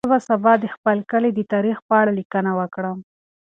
زه به سبا د خپل کلي د تاریخ په اړه لیکنه وکړم.